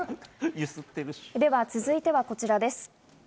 では続いてはこちらです。